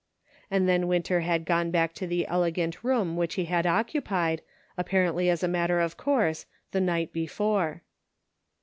And then Winter had gone back to the elegant room which he had occu pied, apparently as a matter of course, the night before.